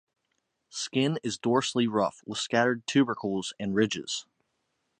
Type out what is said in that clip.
Skin is dorsally rough with scattered tubercles and ridges.